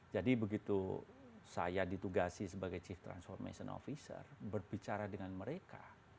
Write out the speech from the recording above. jadi begitu saya ditugasi sebagai chief transformation officer berbicara dengan mereka